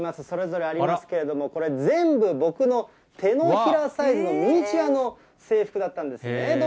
それぞれありますけれども、これ、全部、僕の手のひらサイズのミニチュアの制服だったんですね。